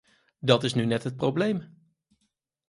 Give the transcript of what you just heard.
Dat is nu net het probleem.